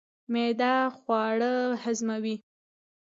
معده خواړه هضموي